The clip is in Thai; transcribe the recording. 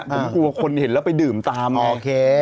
ผมกลัวคนเห็นแล้วไปดื่มตามโอเค